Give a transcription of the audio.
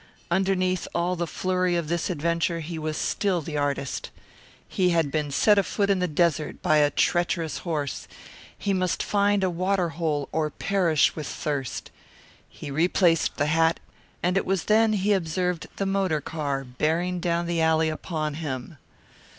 Underneath all the flurry of this adventure he was still the artist. He had been set afoot in the desert by a treacherous horse; he must find a water hole or perish with thirst. He replaced the hat, and it was then he observed the motor car bearing down the alley upon him.